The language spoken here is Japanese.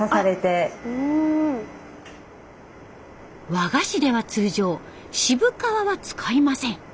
和菓子では通常渋皮は使いません。